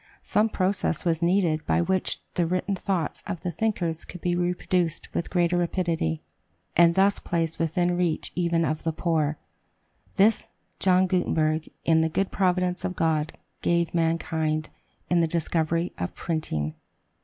Some process was needed by which the written thoughts of the thinkers could be reproduced with greater rapidity, and thus placed within the reach even of the poor. This, John Gutenberg, in the good providence of God, gave mankind, in the discovery of printing.